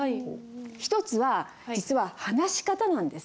一つは実は話し方なんです。